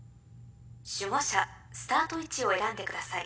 守護者スタート位置を選んでください。